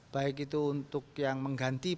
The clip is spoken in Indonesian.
baik itu untuk yang mengganti